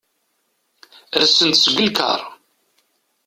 Rsen-d seg lkar.